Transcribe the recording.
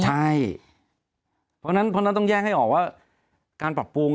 ใช่เพราะฉะนั้นต้องแยกให้ออกว่าการปรับปรุง